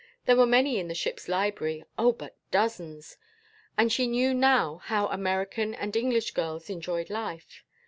There were many in the ship's library, oh, but dozens! and she knew now how American and English girls enjoyed life.